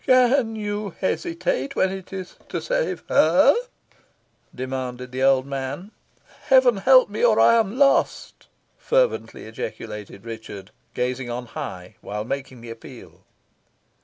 "Can you hesitate, when it is to save her?" demanded the old man. "Heaven help me, or I am lost!" fervently ejaculated Richard, gazing on high while making the appeal.